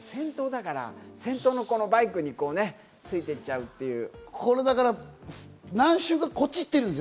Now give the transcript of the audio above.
先頭のバイクについて行っちゃうっていう。